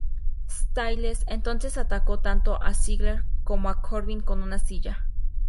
Styles entonces atacó tanto a Ziggler como a Corbin con una silla.